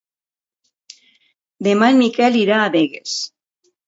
Demà en Miquel irà a Begues.